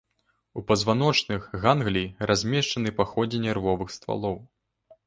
У пазваночных ганглій размешчаны па ходзе нервовых ствалоў.